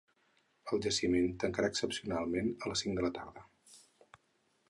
El jaciment tancarà ‘excepcionalment’ a les cinc de la tarda.